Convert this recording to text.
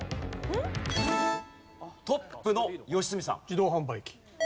トップの良純さん。